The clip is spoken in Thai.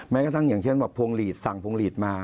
กระทั่งอย่างเช่นแบบพวงหลีดสั่งพวงหลีดมา